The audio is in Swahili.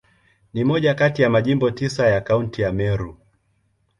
Ni moja kati ya Majimbo tisa ya Kaunti ya Meru.